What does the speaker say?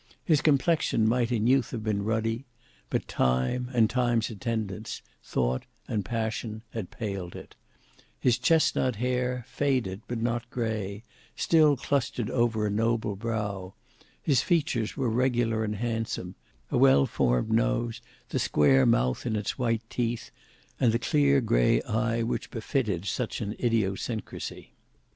His complexion might in youth have been ruddy, but time and time's attendants, thought and passion, had paled it: his chesnut hair, faded, but not grey, still clustered over a noble brow; his features were regular and handsome, a well formed nose, the square mouth and its white teeth, and the clear grey eye which befitted such an idiosyncracy.